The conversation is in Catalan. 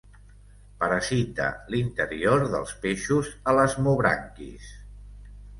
Parasita l'interior dels peixos elasmobranquis.